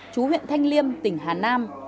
chú huyện thanh liêm tỉnh hà nam